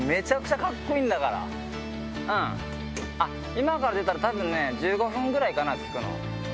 今から出たら多分ね１５分ぐらいかな着くの。